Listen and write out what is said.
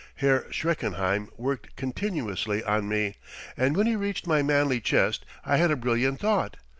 Herr Schreckenheim worked continuously on me, and when he reached my manly chest I had a brilliant thought.